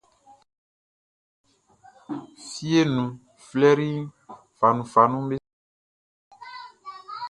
Fieʼn nunʼn, flɛri fanunfanunʼm be sɔnnin.